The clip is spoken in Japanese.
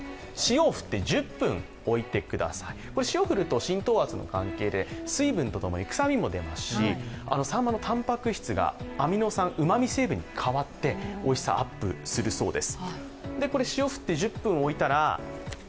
塩を振ると浸透圧の関係で水分とともに臭みも出ますし、さんまたんぱく質がアミノ酸、うまみ成分に変わっておいしさがアップするそうです。